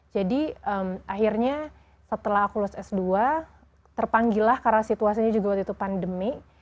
jadi akhirnya setelah aku lulus s dua terpanggil lah karena situasinya juga waktu itu pandemi